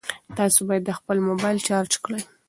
تاسي باید خپل موبایل چارج کړئ.